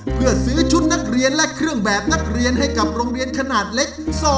เพื่อซื้อชุดนักเรียนและเครื่องแบบนักเรียนให้กับโรงเรียนขนาดเล็ก